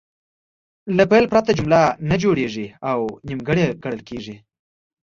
له فعل پرته جمله نه جوړیږي او نیمګړې ګڼل کیږي.